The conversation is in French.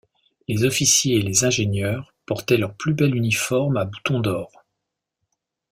Les officiers et les ingénieurs portaient leur plus bel uniforme à boutons d’or.